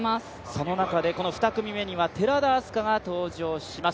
その中で２組目には寺田明日香が登場します。